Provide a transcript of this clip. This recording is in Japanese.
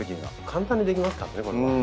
簡単にできますからね。